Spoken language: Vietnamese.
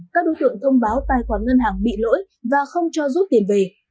các đối tượng thông báo tài khoản ngân hàng bị lỗi và không cho rút tiền về